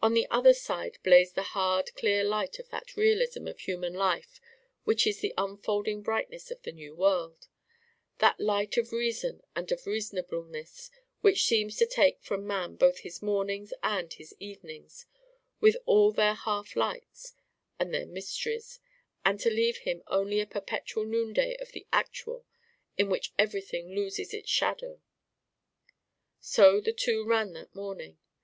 On the other side blazed the hard clear light of that realism of human life which is the unfolding brightness of the New World; that light of reason and of reasonableness which seems to take from man both his mornings and his evenings, with all their half lights and their mysteries; and to leave him only a perpetual noonday of the actual in which everything loses its shadow. So the two ran that morning.